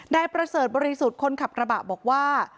นายประเสริฐบริสุทธิ์คนขับกระบะบอกว่า